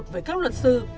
với các luật sư